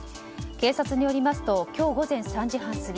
警察によりますと今日午前３時半過ぎ